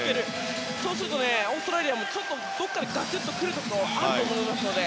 そうするとオーストラリアもどこかガツっと来るところがあると思いますので